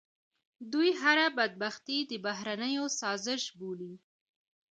دوی هر بدبختي د بهرنیو سازش بولي.